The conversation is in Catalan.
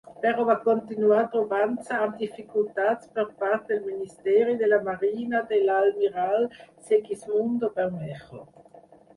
Però va continuar trobant-se amb dificultats per part del ministeri de la marina de l'almirall Segismundo Bermejo.